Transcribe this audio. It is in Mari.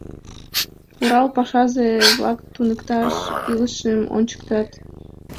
— Урал пашазе-влак туныкташ илышым ончыктат.